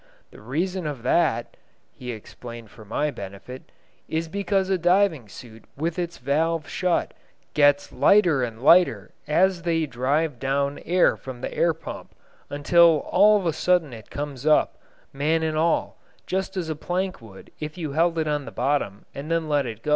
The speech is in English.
The reason of that," he explained for my benefit, "is because a diving suit with its valve shut gets lighter and lighter as they drive down air from the air pump, until all of a sudden it comes up, man and all, just as a plank would if you held it on the bottom and then let it go."